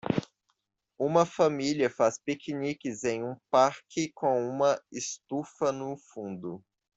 Uma família faz piqueniques em um parque com uma estufa no fundo.